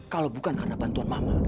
kalau bukan karena bantuan mama